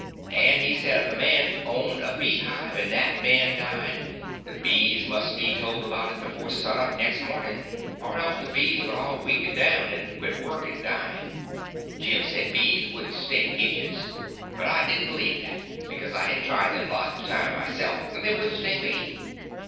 And he said if a man owned a beehive and that man died, the bees must be told about it before sun up next morning, or else the bees would all weaken down and quit work and die. Jim said bees wouldn't sting idiots; but I didn't believe that, because I had tried them lots of times myself, and they wouldn't sting me.